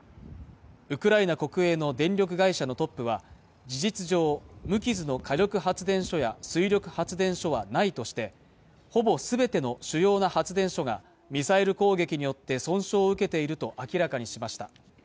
ウクライナ国営の電力会社のトップは事実上、無傷の火力発電所や水力発電所はないとしてほぼすべての主要な発電所がミサイル攻撃によって損傷を受けていると明らかにしました